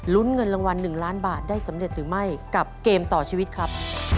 เงินรางวัล๑ล้านบาทได้สำเร็จหรือไม่กับเกมต่อชีวิตครับ